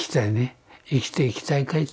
生きていきたいかい？